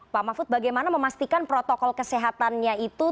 pak mahfud bagaimana memastikan protokol kesehatannya itu